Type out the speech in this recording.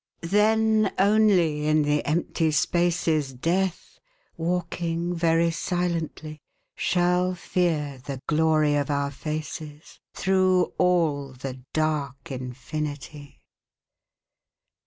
Then only in the empty spaces, Death, walking very silently, Shall fear the glory of our faces Through all the dark infinity.